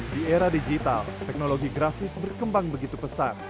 di era digital teknologi grafis berkembang begitu pesat